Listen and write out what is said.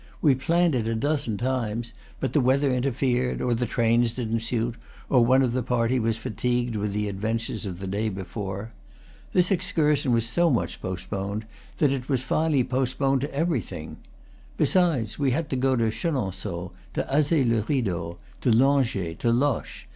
We planned it a dozen times; but the weather interfered, or the trains didn't suit, or one of the party was fatigued with the adventures of'the day before. This excursion was so much postponed that it was finally postponed to everything. Besides, we had to go to Chenonceaux, to Azay le Rideau, to Langeais, to Loches.